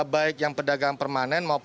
baik yang pedagang permanen maupun sosialisasi